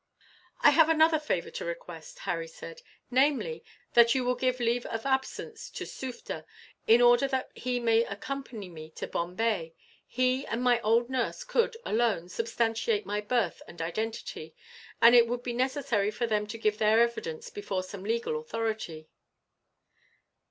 "I have another favour to request," Harry said; "namely, that you will give leave of absence to Sufder, in order that he may accompany me to Bombay. He and my old nurse could, alone, substantiate my birth and identity; and it would be necessary for them to give their evidence before some legal authority."